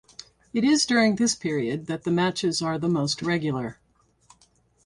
It is during this period that the matches are the most regular.